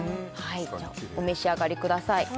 お召し上がりください